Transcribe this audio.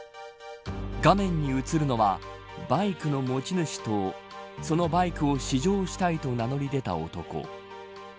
画面に映るのはバイクの持ち主とそのバイクを試乗したいと名乗り出た男。